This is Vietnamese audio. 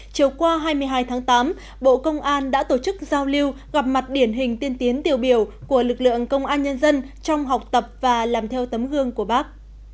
chiều qua hai mươi hai tháng tám bộ công an đã tổ chức giao lưu gặp mặt điển hình tiên tiến tiêu biểu của lực lượng công an nhân dân trong học tập và làm theo tấm gương của bác